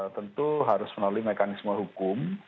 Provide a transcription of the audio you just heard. tentu harus melalui mekanisme hukum